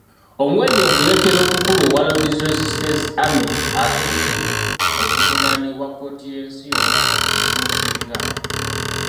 Ongwen ye muyeekera omukulu owa Lord's Resistance Army asoose okuvunaanibwa kkooti y'ensi yonna ne gumusinga.